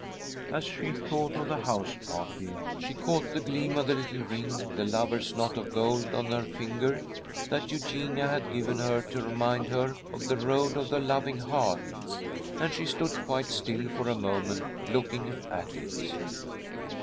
As she thought of the house party, she caught the gleam of the little ring, the lover's knot of gold on her finger that Eugenia had given her to remind her of the Road of the Loving Heart, and she stood quite still for a moment, looking at it.